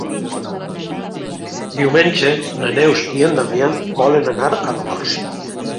Diumenge na Neus i na Damià volen anar a Dolors.